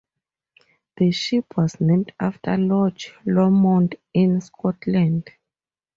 The ship was named after Loch Lomond in Scotland.